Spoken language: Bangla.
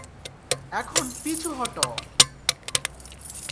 এখন পিছু হটো!